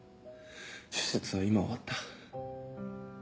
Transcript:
手術は今終わった。